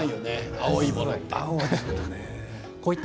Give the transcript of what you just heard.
青いものって。